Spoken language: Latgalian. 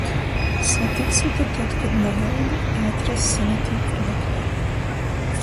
Satiksi tu tod, kod nagaidi, i atrassi na tī, kur meklej...